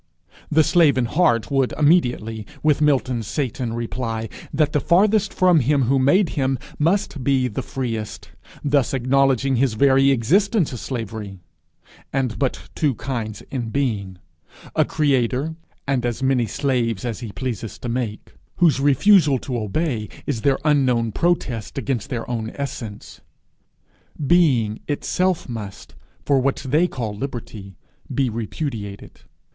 The slave in heart would immediately, with Milton's Satan, reply, that the farthest from him who made him must be the freest, thus acknowledging his very existence a slavery, and but two kinds in being a creator, and as many slaves as he pleases to make, whose refusal to obey is their unknown protest against their own essence. Being itself must, for what they call liberty, be repudiated!